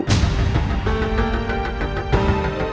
aku harus jaga perasaan ibu